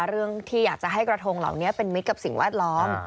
เรื่องที่อยากจะให้กระทงเหล่านี้เป็นมิตรกับสิ่งแวดล้อม